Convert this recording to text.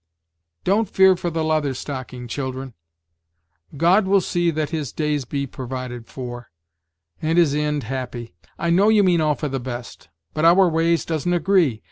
"Don't fear for the Leather Stocking, children; God will see that his days be provided for, and his indian happy. I know you mean all for the best, but our ways doesn't agree.